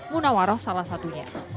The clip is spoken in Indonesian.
munawaroh salah satunya